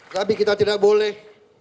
tapi kita tidak boleh